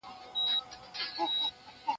هغه پوښتنې چې.